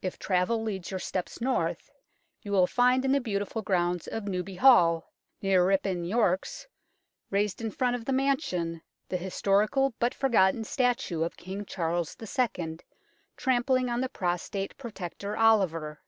If travel leads your steps north, you will find in the beautiful grounds of Newby Hall, near Ripon, Yorks, raised in front of the mansion, the his torical but forgotten statue of King Charles II. trampling on the prostrate Protector Oliver.